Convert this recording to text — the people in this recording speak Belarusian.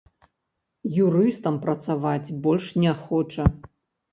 Юрыстам працаваць больш не хоча.